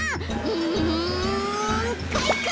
うんかいか！